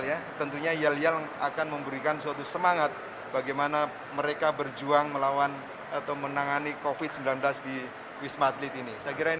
ya tentunya yel yel akan memberikan suatu semangat bagaimana mereka berjuang melawan atau menangani covid sembilan belas di wisma atlet ini